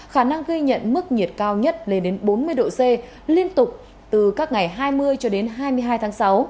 khả năng ghi nhận mức nhiệt cao nhất lên đến bốn mươi độ c liên tục từ các ngày hai mươi cho đến hai mươi hai tháng sáu